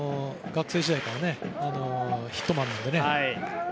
学生時代からヒットマンでね。